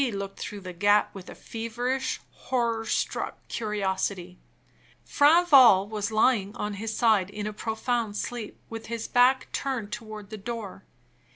She looked through the gap with a feverish, horror struck curiosity. Franval was lying on his side in a profound sleep, with his back turned toward the door.